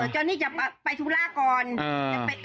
จนที่จะไปสุราคมแล้ว